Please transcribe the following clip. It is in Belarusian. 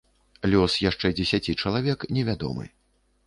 Лёс яшчэ дзесяці чалавек невядомы.